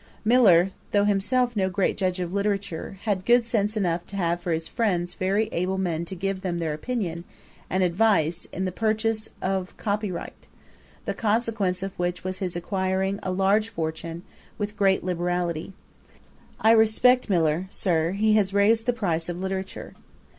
Millar, though himself no great judge of literature, had good sense enough to have for his friends very able men to give him their opinion and advice in the purchase of copyright; the consequence of which was his acquiring a very large fortune, with great liberality. Johnson said of him, 'I respect Millar, Sir; he has raised the price of literature.'